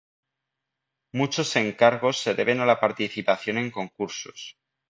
Muchos encargos se deben a la participación en concursos.